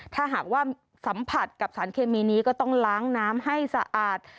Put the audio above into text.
ถ้าหากว่าสัมผัสกับสารเคมีนี้ก็ต้องล้างน้ำให้สะอาด